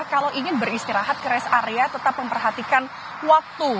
kalau ingin beristirahat ke rest area tetap memperhatikan waktu